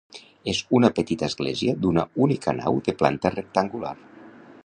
És una petita església d'una única nau de planta rectangular.